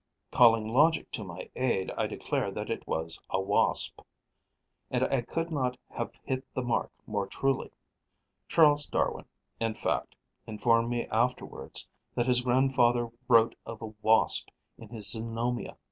Calling logic to my aid, I declared that it was a Wasp; and I could not have hit the mark more truly. Charles Darwin, in fact, informed me afterwards that his grandfather wrote 'a Wasp' in his "Zoonomia."